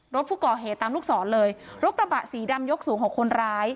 รถผู้ก่อเหตุตามลูกศรเลยรถกระบะสีดำยกสูงของคนร้าย